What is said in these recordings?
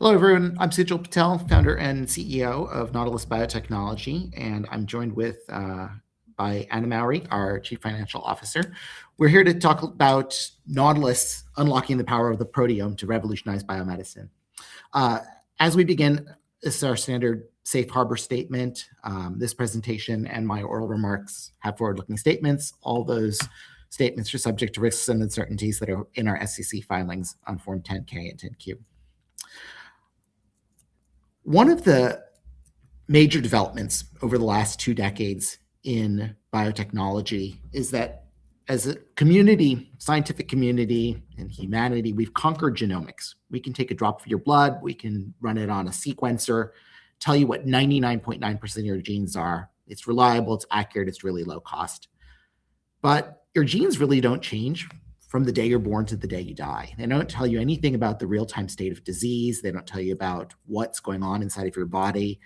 Hello, everyone. I'm Sujal Patel, Founder and CEO of Nautilus Biotechnology, and I'm joined with by Anna Mowry, our Chief Financial Officer. We're here to talk about Nautilus unlocking the power of the proteome to revolutionize biomedicine. As we begin, this is our standard safe harbor statement. This presentation and my oral remarks have forward-looking statements. All those statements are subject to risks and uncertainties that are in our SEC filings on Form 10-K and 10-Q. One of the major developments over the last two decades in biotechnology is that as a community, scientific community and humanity, we've conquered genomics. We can take a drop of your blood, we can run it on a sequencer, tell you what 99.9% of your genes are. It's reliable, it's accurate, it's really low cost. Your genes really don't change from the day you're born to the day you die. They don't tell you anything about the real-time state of disease. They don't tell you about what's going on inside of your body,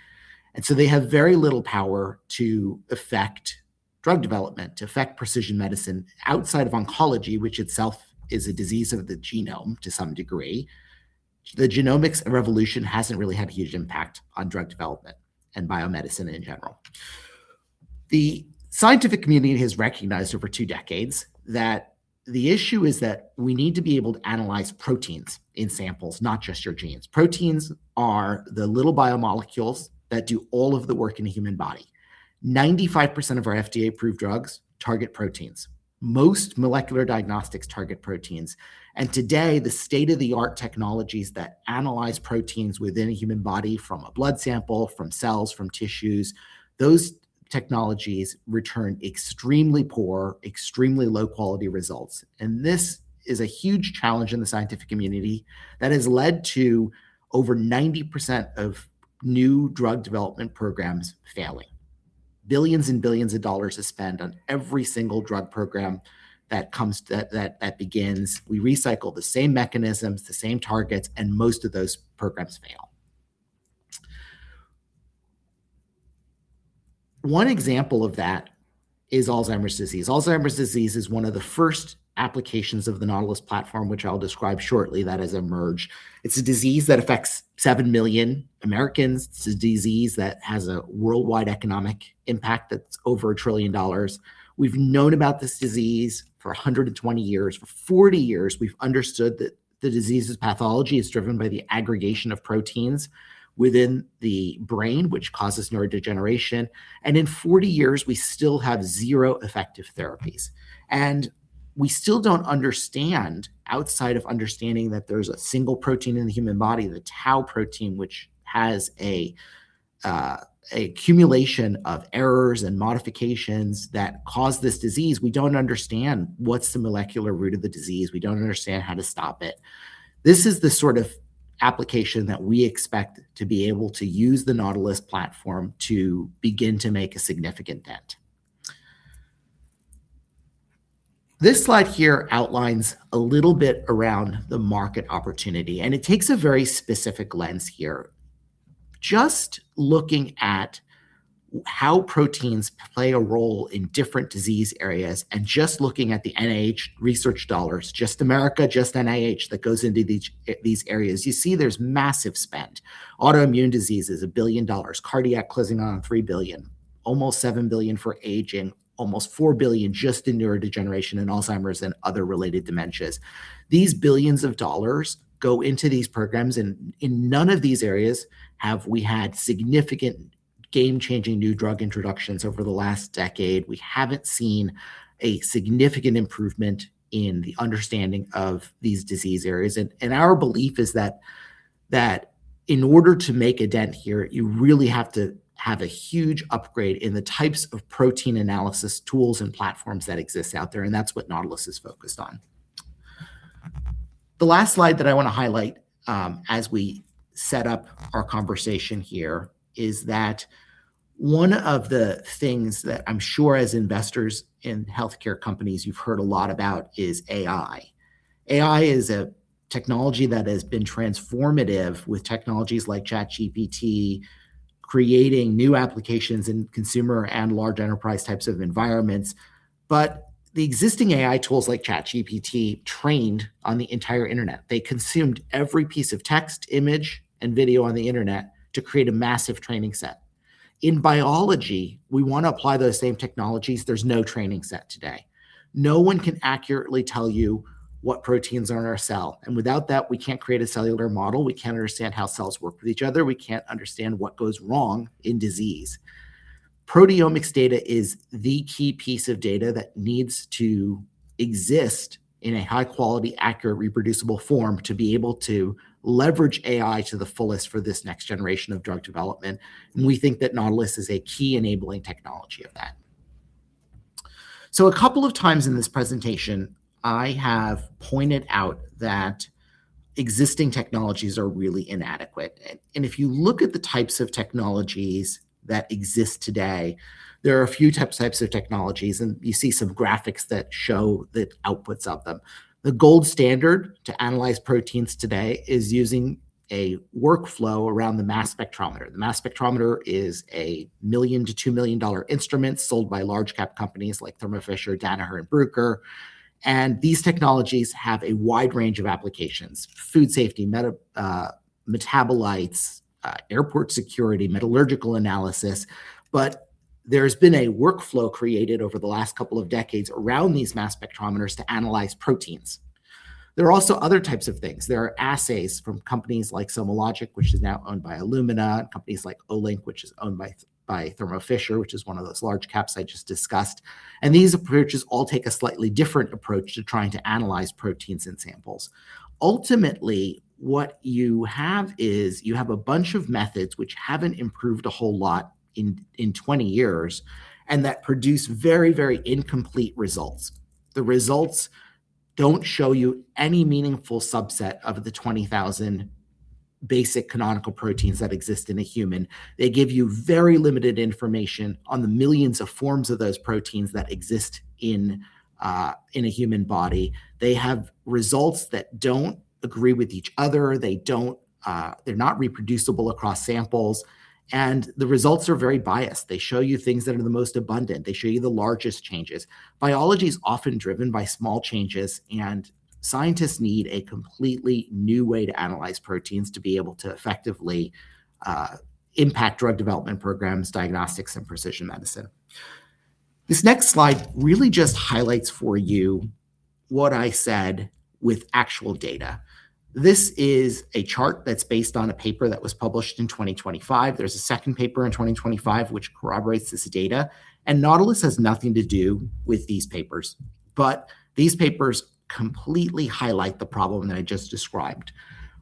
and so they have very little power to affect drug development, to affect precision medicine. Outside of oncology, which itself is a disease of the genome to some degree, the genomics revolution hasn't really had a huge impact on drug development and biomedicine in general. The scientific community has recognized over two decades that the issue is that we need to be able to analyze proteins in samples, not just your genes. Proteins are the little biomolecules that do all of the work in the human body. 95% of our FDA-approved drugs target proteins. Most molecular diagnostics target proteins. Today, the state-of-the-art technologies that analyze proteins within a human body from a blood sample, from cells, from tissues, those technologies return extremely poor, extremely low-quality results. This is a huge challenge in the scientific community that has led to over 90% of new drug development programs failing. Billions and billions of dollars are spent on every single drug program that begins. We recycle the same mechanisms, the same targets, and most of those programs fail. One example of that is Alzheimer's disease. Alzheimer's disease is one of the first applications of the Nautilus platform, which I'll describe shortly, that has emerged. It's a disease that affects 7 million Americans. It's a disease that has a worldwide economic impact that's over $1 trillion. We've known about this disease for 120 years. For 40 years, we've understood that the disease's pathology is driven by the aggregation of proteins within the brain, which causes neurodegeneration. In 40 years, we still have zero effective therapies. We still don't understand, outside of understanding that there's a single protein in the human body, the tau protein, which has a accumulation of errors and modifications that cause this disease, we don't understand what's the molecular root of the disease. We don't understand how to stop it. This is the sort of application that we expect to be able to use the Nautilus platform to begin to make a significant dent. This slide here outlines a little bit around the market opportunity, and it takes a very specific lens here. Just looking at how proteins play a role in different disease areas and just looking at the NIH research dollars, just America, just NIH, that goes into these areas, you see there's massive spend. Autoimmune diseases, $1 billion. Cardiac, closing on $3 billion. Almost $7 billion for aging. Almost $4 billion just in neurodegeneration and Alzheimer's and other related dementias. These billions of dollars go into these programs, and in none of these areas have we had significant game-changing new drug introductions over the last decade. We haven't seen a significant improvement in the understanding of these disease areas. Our belief is that in order to make a dent here, you really have to have a huge upgrade in the types of protein analysis tools and platforms that exist out there, and that's what Nautilus is focused on. The last slide that I wanna highlight as we set up our conversation here is that one of the things that I'm sure as investors in healthcare companies you've heard a lot about is AI. AI is a technology that has been transformative with technologies like ChatGPT, creating new applications in consumer and large enterprise types of environments. The existing AI tools like ChatGPT trained on the entire internet. They consumed every piece of text, image, and video on the internet to create a massive training set. In biology, we wanna apply those same technologies. There's no training set today. No one can accurately tell you what proteins are in our cell, and without that, we can't create a cellular model. We can't understand how cells work with each other. We can't understand what goes wrong in disease. Proteomics data is the key piece of data that needs to exist in a high-quality, accurate, reproducible form to be able to leverage AI to the fullest for this next generation of drug development, and we think that Nautilus is a key enabling technology of that. A couple of times in this presentation, I have pointed out that existing technologies are really inadequate. If you look at the types of technologies that exist today, there are a few types of technologies, and you see some graphics that show the outputs of them. The gold standard to analyze proteins today is using a workflow around the mass spectrometer. The mass spectrometer is a $1 million-$2 million instrument sold by large cap companies like Thermo Fisher, Danaher, and Bruker. These technologies have a wide range of applications, food safety, metabolites, airport security, metallurgical analysis. There's been a workflow created over the last couple of decades around these mass spectrometers to analyze proteins. There are also other types of things. There are assays from companies like SomaLogic, which is now owned by Illumina, and companies like Olink, which is owned by Thermo Fisher, which is one of those large caps I just discussed. These approaches all take a slightly different approach to trying to analyze proteins in samples. Ultimately, what you have is you have a bunch of methods which haven't improved a whole lot in 20 years, and that produce very, very incomplete results. The results don't show you any meaningful subset of the 20,000 basic canonical proteins that exist in a human. They give you very limited information on the millions of forms of those proteins that exist in a human body. They have results that don't agree with each other. They don't, they're not reproducible across samples. The results are very biased. They show you things that are the most abundant. They show you the largest changes. Biology is often driven by small changes, and scientists need a completely new way to analyze proteins to be able to effectively impact drug development programs, diagnostics, and precision medicine. This next slide really just highlights for you what I said with actual data. This is a chart that's based on a paper that was published in 2025. There's a second paper in 2025 which corroborates this data. Nautilus has nothing to do with these papers. These papers completely highlight the problem that I just described.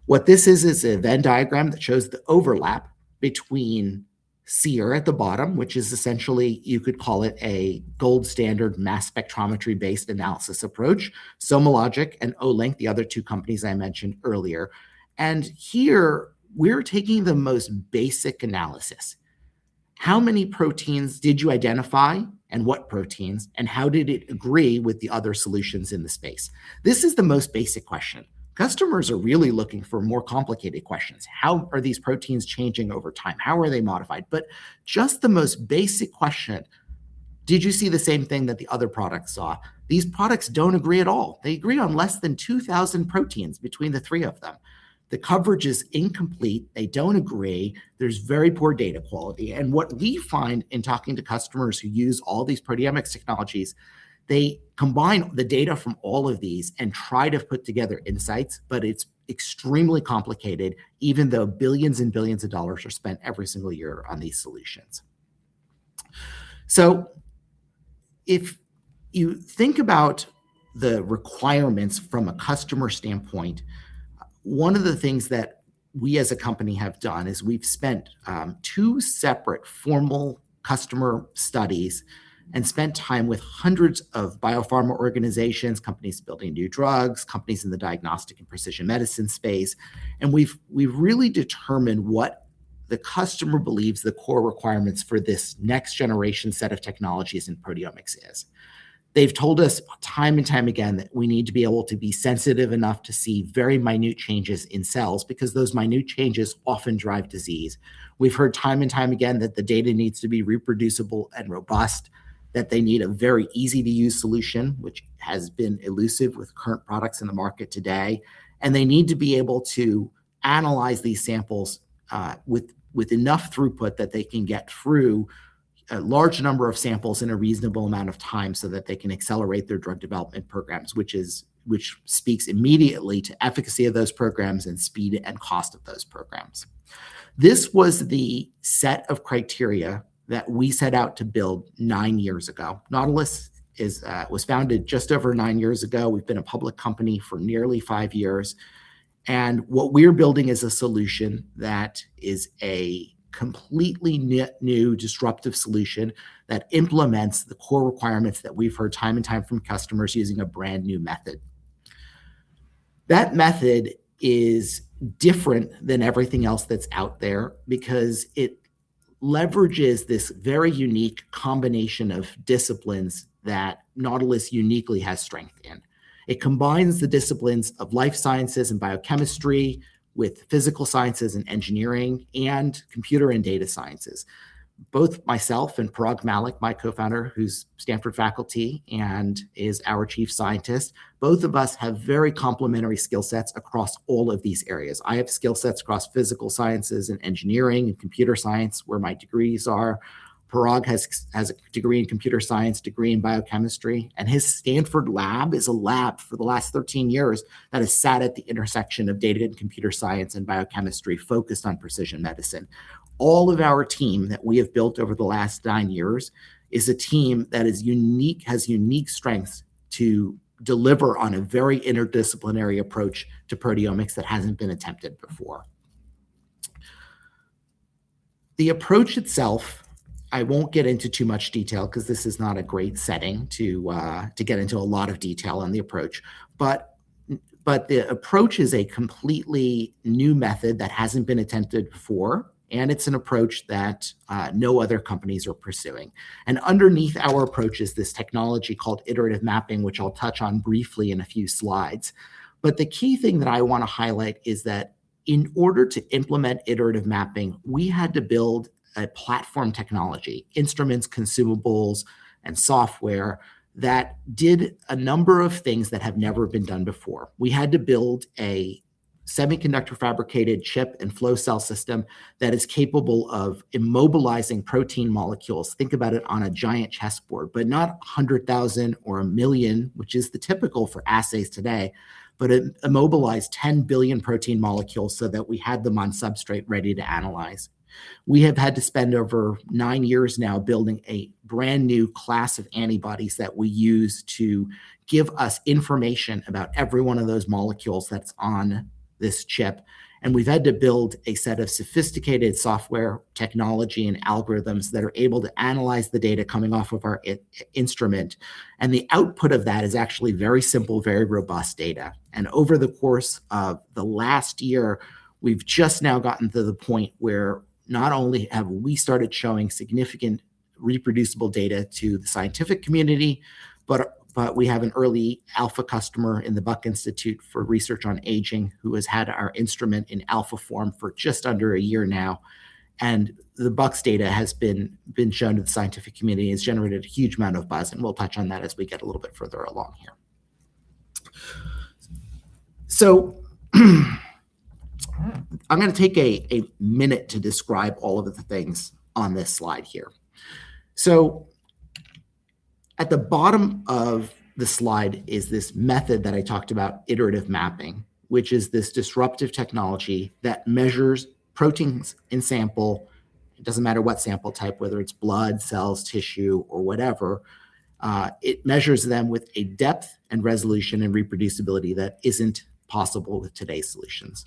What this is a Venn diagram that shows the overlap between Seer at the bottom, which is essentially, you could call it a gold standard mass spectrometry-based analysis approach, SomaLogic, and Olink, the other two companies I mentioned earlier. Here, we're taking the most basic analysis. How many proteins did you identify, and what proteins, and how did it agree with the other solutions in the space? This is the most basic question. Customers are really looking for more complicated questions. How are these proteins changing over time? How are they modified? But just the most basic question, did you see the same thing that the other products saw? These products don't agree at all. They agree on less than 2,000 proteins between the three of them. The coverage is incomplete. They don't agree. There's very poor data quality. What we find in talking to customers who use all these proteomics technologies, they combine the data from all of these and try to put together insights, but it's extremely complicated, even though billions and billions of dollars are spent every single year on these solutions. If you think about the requirements from a customer standpoint, one of the things that we as a company have done is we've spent two separate formal customer studies and spent time with hundreds of biopharma organizations, companies building new drugs, companies in the diagnostic and precision medicine space, and we've really determined what the customer believes the core requirements for this next generation set of technologies in proteomics is. They've told us time and time again that we need to be able to be sensitive enough to see very minute changes in cells because those minute changes often drive disease. We've heard time and time again that the data needs to be reproducible and robust, that they need a very easy-to-use solution, which has been elusive with current products in the market today, and they need to be able to analyze these samples with enough throughput that they can get through a large number of samples in a reasonable amount of time so that they can accelerate their drug development programs, which speaks immediately to efficacy of those programs and speed and cost of those programs. This was the set of criteria that we set out to build nine years ago. Nautilus was founded just over nine years ago. We've been a public company for nearly five years, and what we're building is a solution that is a completely new disruptive solution that implements the core requirements that we've heard time and time again from customers using a brand-new method. That method is different than everything else that's out there because it leverages this very unique combination of disciplines that Nautilus uniquely has strength in. It combines the disciplines of life sciences and biochemistry with physical sciences and engineering and computer and data sciences. Both myself and Parag Mallick, my co-founder, who's Stanford faculty and is our chief scientist, both of us have very complementary skill sets across all of these areas. I have skill sets across physical sciences and engineering and computer science, where my degrees are. Parag has a degree in computer science, degree in biochemistry, and his Stanford lab is a lab for the last 13 years that has sat at the intersection of data and computer science and biochemistry focused on precision medicine. All of our team that we have built over the last nine years is a team that is unique, has unique strengths to deliver on a very interdisciplinary approach to proteomics that hasn't been attempted before. The approach itself, I won't get into too much detail because this is not a great setting to get into a lot of detail on the approach, but the approach is a completely new method that hasn't been attempted before, and it's an approach that no other companies are pursuing. Underneath our approach is this technology called iterative mapping, which I'll touch on briefly in a few slides. The key thing that I wanna highlight is that in order to implement iterative mapping, we had to build a platform technology, instruments, consumables, and software that did a number of things that have never been done before. We had to build a semiconductor fabricated chip and flow cell system that is capable of immobilizing protein molecules. Think about it on a giant chessboard, but not 100,000 or 1,000,000, which is the typical for assays today, but immobilized 10 billion protein molecules so that we had them on substrate ready to analyze. We have had to spend over nine years now building a brand-new class of antibodies that we use to give us information about every one of those molecules that's on this chip. We've had to build a set of sophisticated software technology and algorithms that are able to analyze the data coming off of our instrument. The output of that is actually very simple, very robust data. Over the course of the last year, we've just now gotten to the point where not only have we started showing significant reproducible data to the scientific community, but we have an early alpha customer in the Buck Institute for Research on Aging who has had our instrument in alpha form for just under a year now. The Buck's data has been shown to the scientific community, it's generated a huge amount of buzz, and we'll touch on that as we get a little bit further along here. I'm gonna take a minute to describe all of the things on this slide here. At the bottom of the slide is this method that I talked about, iterative mapping, which is this disruptive technology that measures proteins in a sample. It doesn't matter what sample type, whether it's blood, cells, tissue, or whatever, it measures them with a depth and resolution and reproducibility that isn't possible with today's solutions.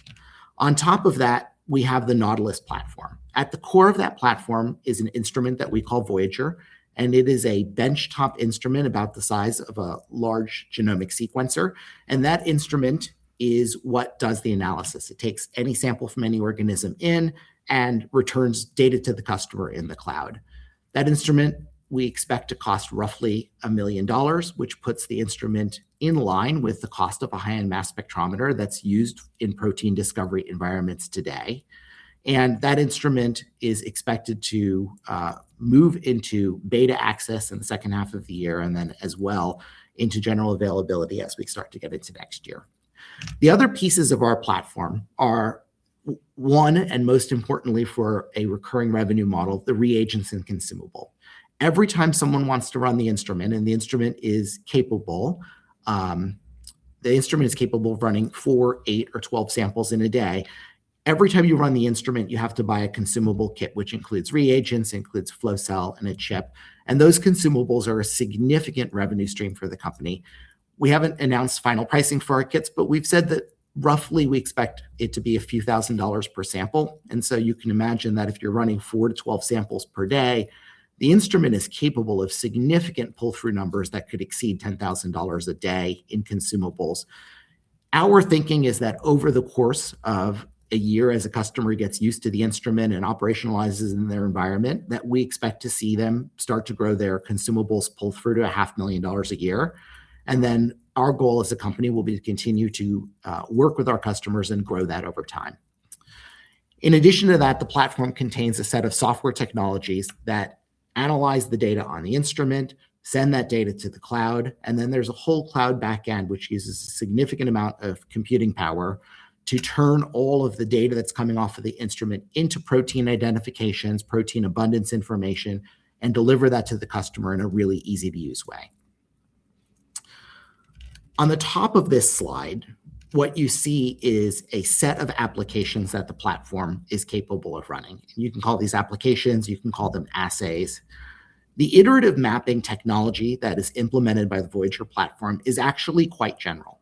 On top of that, we have the Nautilus platform. At the core of that platform is an instrument that we call Voyager, and it is a benchtop instrument about the size of a large genomic sequencer, and that instrument is what does the analysis. It takes any sample from any organism in and returns data to the customer in the cloud. That instrument we expect to cost roughly $1 million, which puts the instrument in line with the cost of a high-end mass spectrometer that's used in protein discovery environments today. That instrument is expected to move into beta access in the second half of the year and then as well into general availability as we start to get into next year. The other pieces of our platform are one, and most importantly for a recurring revenue model, the reagents and consumable. Every time someone wants to run the instrument, and the instrument is capable of running four, eight, or 12 samples in a day. Every time you run the instrument, you have to buy a consumable kit, which includes reagents, flow cell and a chip, and those consumables are a significant revenue stream for the company. We haven't announced final pricing for our kits, but we've said that roughly we expect it to be a few thousand dollar per sample. You can imagine that if you're running 4-12 samples per day, the instrument is capable of significant pull-through numbers that could exceed $10,000 a day in consumables. Our thinking is that over the course of a year, as a customer gets used to the instrument and operationalizes in their environment, that we expect to see them start to grow their consumables pull-through to $500,000 a year. Our goal as a company will be to continue to work with our customers and grow that over time. In addition to that, the platform contains a set of software technologies that analyze the data on the instrument, send that data to the cloud, and then there's a whole cloud back-end, which uses a significant amount of computing power to turn all of the data that's coming off of the instrument into protein identifications, protein abundance information, and deliver that to the customer in a really easy-to-use way. On the top of this slide, what you see is a set of applications that the platform is capable of running. You can call these applications, you can call them assays. The iterative mapping technology that is implemented by the Voyager platform is actually quite general.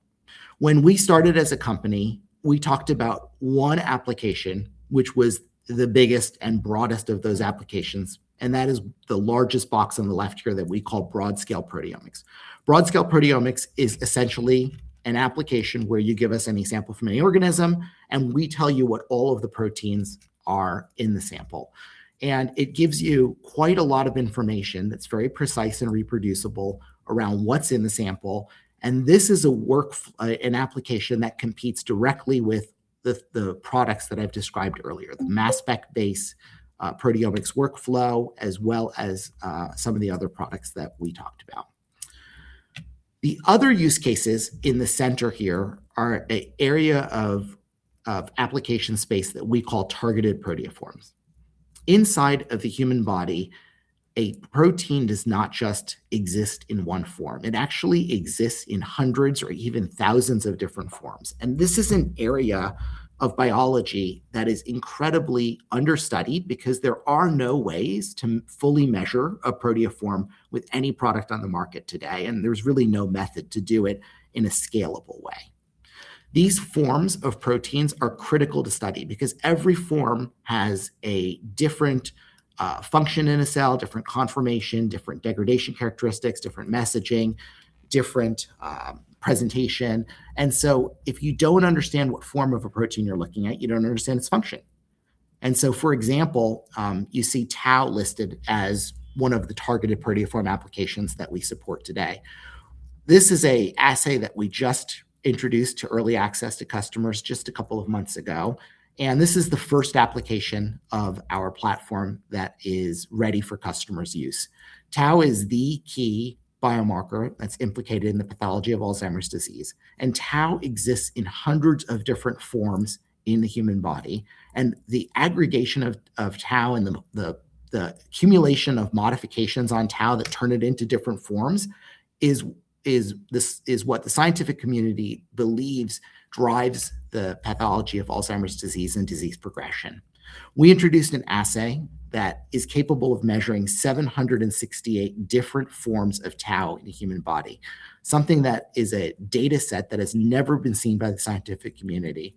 When we started as a company, we talked about one application which was the biggest and broadest of those applications, and that is the largest box on the left here that we call broad scale proteomics. Broad scale proteomics is essentially an application where you give us any sample from any organism, and we tell you what all of the proteins are in the sample. It gives you quite a lot of information that's very precise and reproducible around what's in the sample, and this is an application that competes directly with the products that I've described earlier, the mass spec-based proteomics workflow, as well as some of the other products that we talked about. The other use cases in the center here are an area of application space that we call targeted proteoforms. Inside of the human body, a protein does not just exist in one form. It actually exists in hundreds or even thousands of different forms. This is an area of biology that is incredibly understudied because there are no ways to fully measure a proteoform with any product on the market today, and there's really no method to do it in a scalable way. These forms of proteins are critical to study because every form has a different function in a cell, different conformation, different degradation characteristics, different messaging, different presentation. If you don't understand what form of a protein you're looking at, you don't understand its function. For example, you see tau listed as one of the targeted proteoform applications that we support today. This is an assay that we just introduced to early access to customers just a couple of months ago. This is the first application of our platform that is ready for customers' use. Tau is the key biomarker that's implicated in the pathology of Alzheimer's disease, and tau exists in hundreds of different forms in the human body. The aggregation of tau in the accumulation of modifications on tau that turn it into different forms is what the scientific community believes drives the pathology of Alzheimer's disease and disease progression. We introduced an assay that is capable of measuring 768 different forms of tau in the human body, something that is a data set that has never been seen by the scientific community.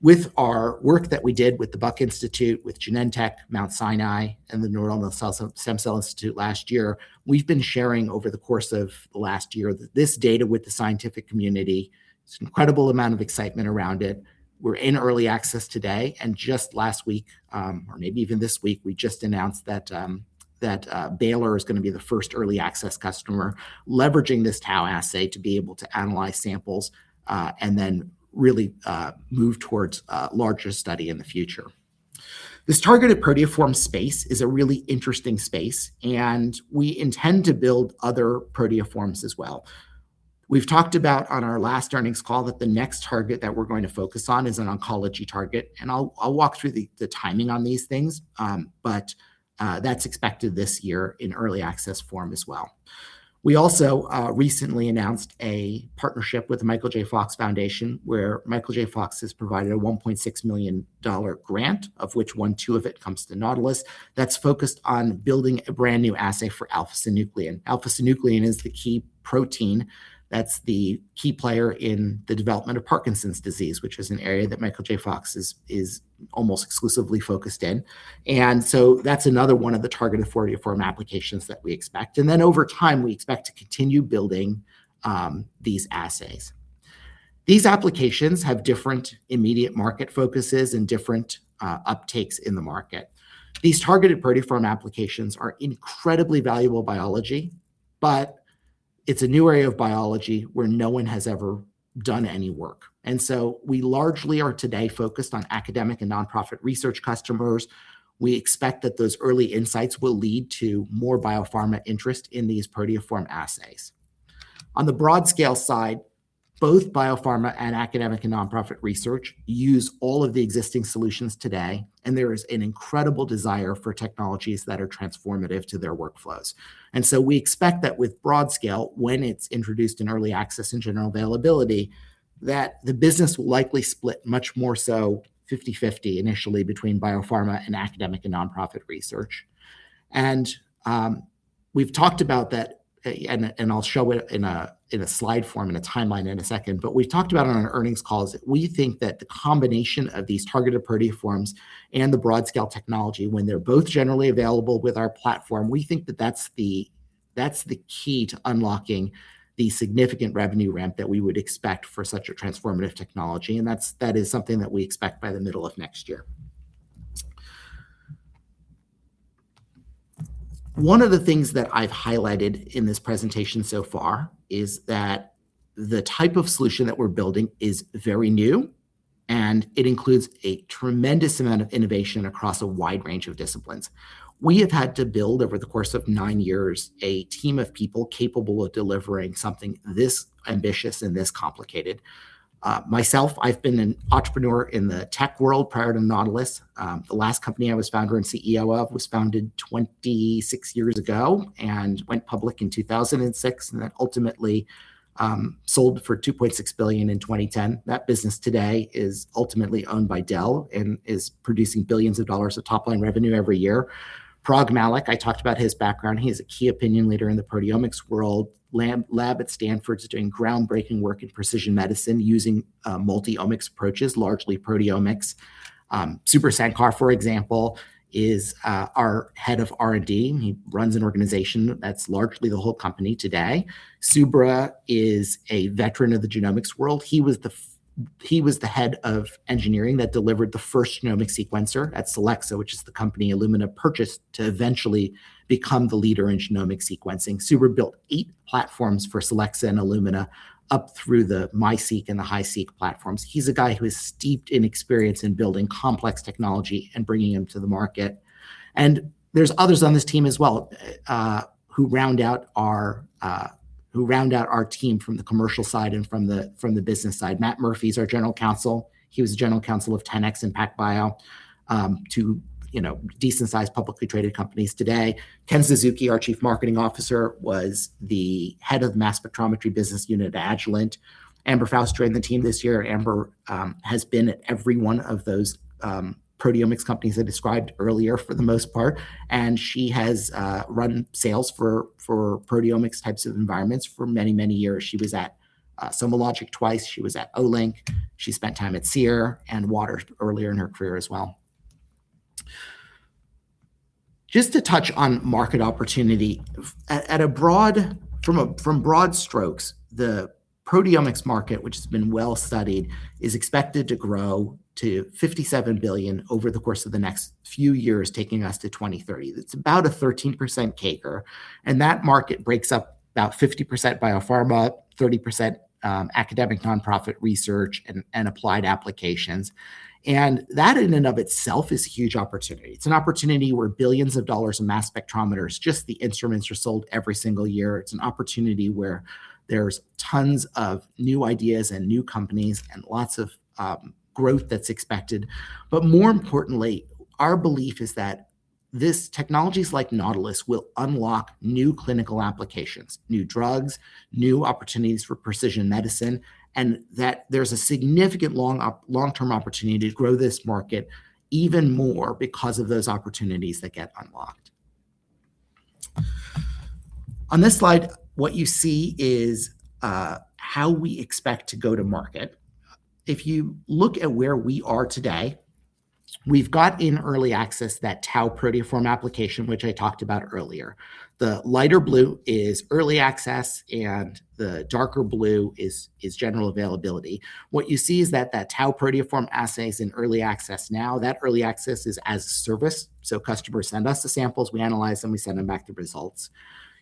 With our work that we did with the Buck Institute, with Genentech, Mount Sinai, and the New York Stem Cell Foundation last year, we've been sharing over the course of the last year this data with the scientific community. There's an incredible amount of excitement around it. We're in early access today, and just last week or maybe even this week, we just announced that Baylor is gonna be the first early access customer, leveraging this tau assay to be able to analyze samples, and then really move towards a larger study in the future. This targeted proteoform space is a really interesting space, and we intend to build other proteoforms as well. We've talked about on our last earnings call that the next target that we're going to focus on is an oncology target, and I'll walk through the timing on these things. That's expected this year in early access form as well. We also recently announced a partnership with the Michael J. Fox Foundation, where Michael J. Fox has provided a $1.6 million grant, of which $1.2 million of it comes to Nautilus, that's focused on building a brand-new assay for alpha-synuclein. Alpha-synuclein is the key protein that's the key player in the development of Parkinson's disease, which is an area that Michael J. Fox is almost exclusively focused in. That's another one of the targeted proteoform applications that we expect. Then over time, we expect to continue building these assays. These applications have different immediate market focuses and different, uptakes in the market. These targeted proteoform applications are incredibly valuable biology, but it's a new area of biology where no one has ever done any work. We largely are today focused on academic and nonprofit research customers. We expect that those early insights will lead to more biopharma interest in these proteoform assays. On the broad scale side, both biopharma and academic and nonprofit research use all of the existing solutions today, and there is an incredible desire for technologies that are transformative to their workflows. We expect that with broad scale, when it's introduced in early access and general availability, that the business will likely split much more so 50/50 initially between biopharma and academic and nonprofit research. We've talked about that, and I'll show it in a slide form and a timeline in a second, but we've talked about it on our earnings calls. We think that the combination of these targeted proteoforms and the broad scale technology, when they're both generally available with our platform, we think that that's the key to unlocking the significant revenue ramp that we would expect for such a transformative technology, and that is something that we expect by the middle of next year. One of the things that I've highlighted in this presentation so far is that the type of solution that we're building is very new, and it includes a tremendous amount of innovation across a wide range of disciplines. We have had to build, over the course of nine years, a team of people capable of delivering something this ambitious and this complicated. Myself, I've been an entrepreneur in the tech world prior to Nautilus. The last company I was founder and CEO of was founded 26 years ago and went public in 2006, and then ultimately sold for $2.6 billion in 2010. That business today is ultimately owned by Dell and is producing billions of dollars of top-line revenue every year. Parag Mallick, I talked about his background. He is a key opinion leader in the proteomics world. Mallick Lab at Stanford is doing groundbreaking work in precision medicine using multi-omics approaches, largely proteomics. Subra Sankar, for example, is our head of R&D, and he runs an organization that's largely the whole company today. Subra is a veteran of the genomics world. He was the head of engineering that delivered the first genomic sequencer at Solexa, which is the company Illumina purchased to eventually become the leader in genomic sequencing. Subra built eight platforms for Solexa and Illumina up through the MiSeq and the HiSeq platforms. He's a guy who is steeped in experience in building complex technology and bringing them to the market. There's others on this team as well, who round out our team from the commercial side and from the business side. Matt Murphy is our General Counsel. He was the general counsel of 10x and PacBio, you know, decent-sized publicly traded companies today. Ken Suzuki, our Chief Marketing Officer, was the head of mass spectrometry business unit at Agilent. Amber Faust joined the team this year. Amber has been at every one of those proteomics companies I described earlier for the most part, and she has run sales for proteomics types of environments for many years. She was at SomaLogic twice. She was at Olink. She spent time at Seer and Waters earlier in her career as well. Just to touch on market opportunity. From broad strokes, the proteomics market, which has been well-studied, is expected to grow to $57 billion over the course of the next few years, taking us to 2030. That's about a 13% CAGR. That market breaks up about 50% biopharma, 30% academic nonprofit research, and applied applications. That in and of itself is a huge opportunity. It's an opportunity where billions of dollars in mass spectrometers, just the instruments, are sold every single year. It's an opportunity where there's tons of new ideas and new companies and lots of growth that's expected. More importantly, our belief is that this technologies like Nautilus will unlock new clinical applications, new drugs, new opportunities for precision medicine, and that there's a significant long-term opportunity to grow this market even more because of those opportunities that get unlocked. On this slide, what you see is how we expect to go to market. If you look at where we are today, we've got in early access that tau proteoform application, which I talked about earlier. The lighter blue is early access and the darker blue is general availability. What you see is that tau proteoform assay is in early access now. That early access is as a service, so customers send us the samples, we analyze them, we send them back the results.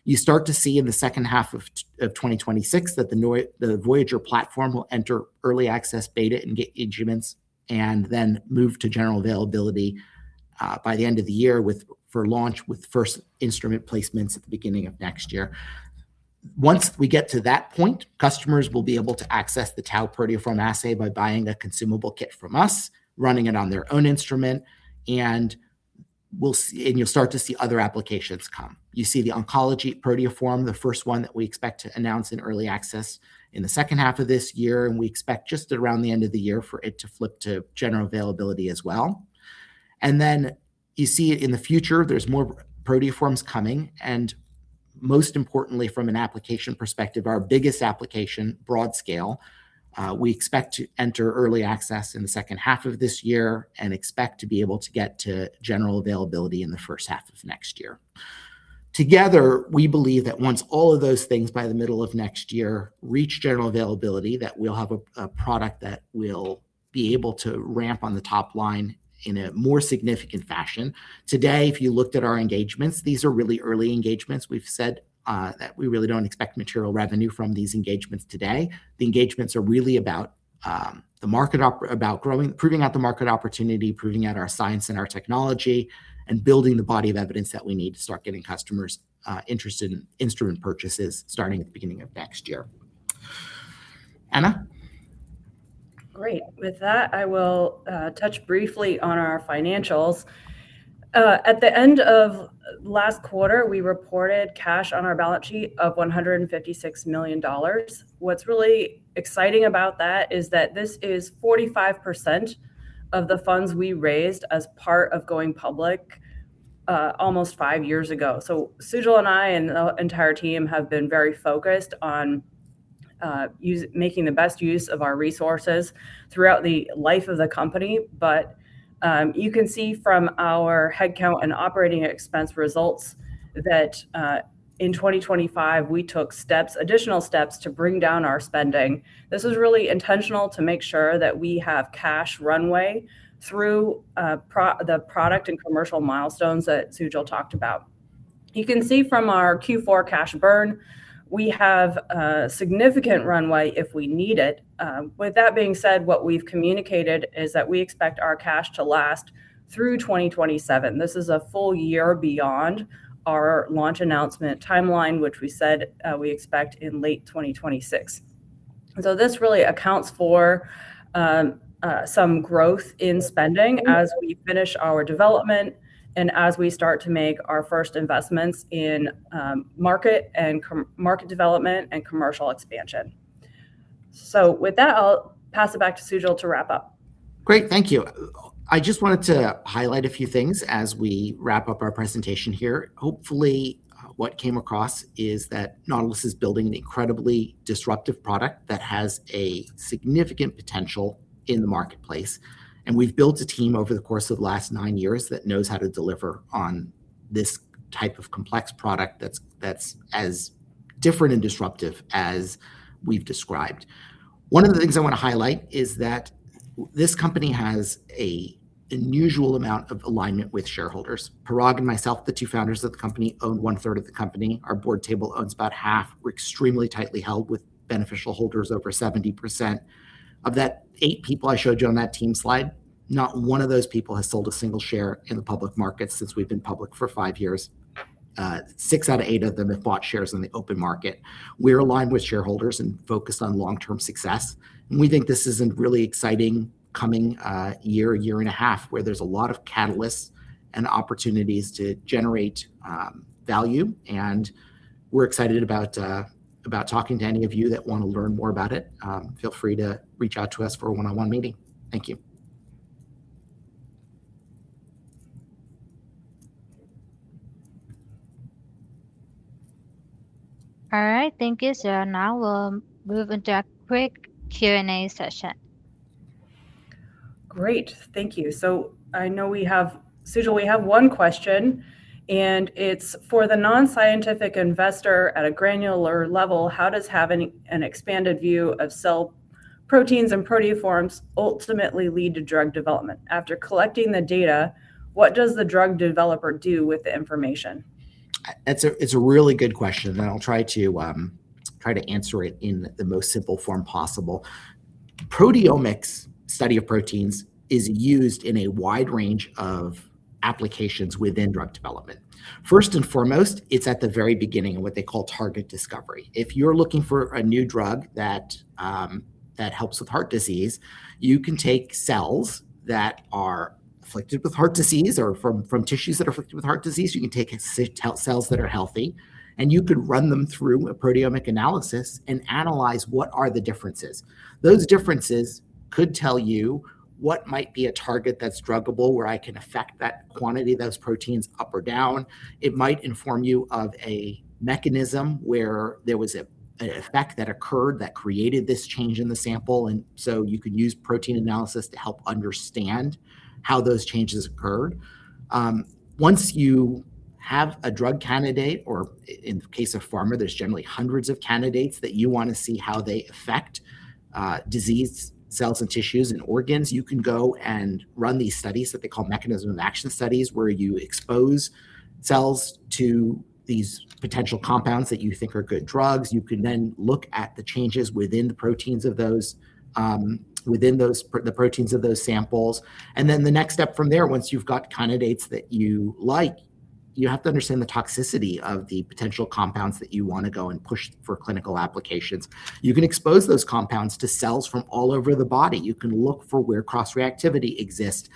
You start to see in the second half of 2026 that the Voyager platform will enter early access beta and get instruments, and then move to general availability by the end of the year for launch with first instrument placements at the beginning of next year. Once we get to that point, customers will be able to access the tau proteoform assay by buying a consumable kit from us, running it on their own instrument, and we'll see. You'll start to see other applications come. You see the oncology proteoform, the first one that we expect to announce in early access in the second half of this year, and we expect just around the end of the year for it to flip to general availability as well. You see in the future there's more proteoforms coming, and most importantly, from an application perspective, our biggest application, broad scale, we expect to enter early access in the second half of this year and expect to be able to get to general availability in the first half of next year. Together, we believe that once all of those things by the middle of next year reach general availability, that we'll have a product that will be able to ramp on the top line in a more significant fashion. Today, if you looked at our engagements, these are really early engagements. We've said that we really don't expect material revenue from these engagements today. The engagements are really about proving out the market opportunity, proving out our science and our technology, and building the body of evidence that we need to start getting customers interested in instrument purchases starting at the beginning of next year. Anna. Great. With that, I will touch briefly on our financials. At the end of last quarter, we reported cash on our balance sheet of $156 million. What's really exciting about that is that this is 45% of the funds we raised as part of going public almost five years ago. Sujal and I and the entire team have been very focused on us making the best use of our resources throughout the life of the company. You can see from our headcount and operating expense results that in 2025, we took steps, additional steps to bring down our spending. This was really intentional to make sure that we have cash runway through the product and commercial milestones that Sujal talked about. You can see from our Q4 cash burn, we have a significant runway if we need it. With that being said, what we've communicated is that we expect our cash to last through 2027. This is a full year beyond our launch announcement timeline, which we said we expect in late 2026. This really accounts for some growth in spending as we finish our development and as we start to make our first investments in market development and commercial expansion. With that, I'll pass it back to Sujal to wrap up. Great. Thank you. I just wanted to highlight a few things as we wrap up our presentation here. Hopefully, what came across is that Nautilus is building an incredibly disruptive product that has a significant potential in the marketplace, and we've built a team over the course of the last nine years that knows how to deliver on this type of complex product that's as different and disruptive as we've described. One of the things I wanna highlight is that this company has an unusual amount of alignment with shareholders. Parag and myself, the two founders of the company, own one-third of the company. Our board table owns about half. We're extremely tightly held with beneficial holders, over 70%. Of that eight people I showed you on that team slide, not one of those people has sold a single share in the public market since we've been public for five years. Six out of eight of them have bought shares in the open market. We're aligned with shareholders and focused on long-term success. We think this is a really exciting coming 1.5 year, where there's a lot of catalysts and opportunities to generate value. We're excited about talking to any of you that wanna learn more about it. Feel free to reach out to us for a one-on-one meeting. Thank you. All right. Thank you, sir. Now we'll move into a quick Q&A session. Great. Thank you. I know we have, Sujal, we have one question, and it's: for the non-scientific investor at a granular level, how does having an expanded view of cell proteins and proteoforms ultimately lead to drug development? After collecting the data, what does the drug developer do with the information? It's a really good question, and I'll try to answer it in the most simple form possible. Proteomics, study of proteins, is used in a wide range of applications within drug development. First and foremost, it's at the very beginning of what they call target discovery. If you're looking for a new drug that helps with heart disease, you can take cells that are afflicted with heart disease or from tissues that are afflicted with heart disease, you can take cells that are healthy, and you could run them through a proteomic analysis and analyze what are the differences. Those differences could tell you what might be a target that's druggable, where I can affect that quantity of those proteins up or down. It might inform you of a mechanism where there was an effect that occurred that created this change in the sample. You could use protein analysis to help understand how those changes occurred. Once you have a drug candidate, or in case of pharma, there's generally hundreds of candidates that you wanna see how they affect disease cells and tissues and organs, you can go and run these studies that they call mechanism of action studies, where you expose cells to these potential compounds that you think are good drugs. You can then look at the changes within the proteins of those samples. The next step from there, once you've got candidates that you like, you have to understand the toxicity of the potential compounds that you wanna go and push for clinical applications. You can expose those compounds to cells from all over the body. You can look for where cross-reactivity exists.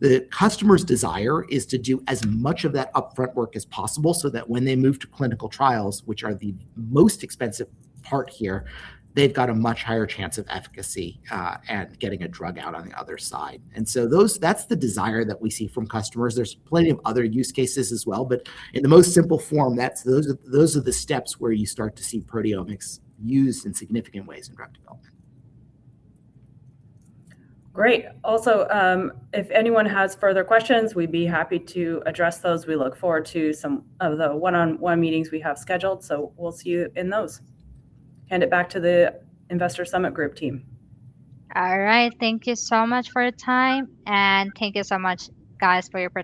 The customer's desire is to do as much of that upfront work as possible so that when they move to clinical trials, which are the most expensive part here, they've got a much higher chance of efficacy and getting a drug out on the other side. That's the desire that we see from customers. There's plenty of other use cases as well, but in the most simple form, those are the steps where you start to see proteomics used in significant ways in drug development. Great. Also, if anyone has further questions, we'd be happy to address those. We look forward to some of the one-on-one meetings we have scheduled, so we'll see you in those. Hand it back to the investor summit group team. All right. Thank you so much for your time, and thank you so much, guys, for your pres-